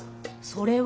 それは。